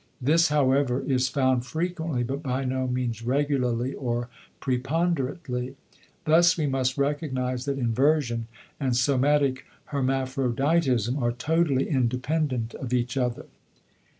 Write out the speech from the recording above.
This, however, is found frequently but by no means regularly or preponderately. Thus we must recognize that inversion and somatic hermaphroditism are totally independent of each other.